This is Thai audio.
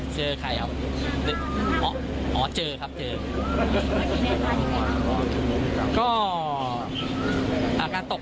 ตอนนั้นเราเจอเขาไหมครับ